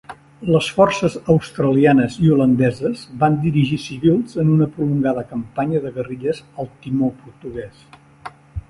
Les forces australianes i holandeses van dirigir civils en una prolongada campanya de guerrilles al Timor portuguès.